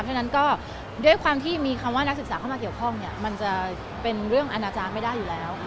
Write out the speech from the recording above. เพราะฉะนั้นก็ด้วยความที่มีคำว่านักศึกษาเข้ามาเกี่ยวข้องเนี่ยมันจะเป็นเรื่องอนาจารย์ไม่ได้อยู่แล้ว